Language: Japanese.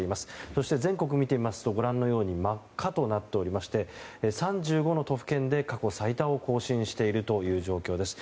そして、全国を見てみますとご覧のように真っ赤となっておりまして３５の都府県で過去最多を更新しているという状況です。